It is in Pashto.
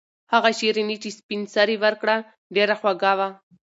هغه شیرني چې سپین سرې ورکړه ډېره خوږه وه.